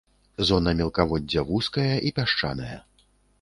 Зона мелкаводдзя вузкая і пясчаная.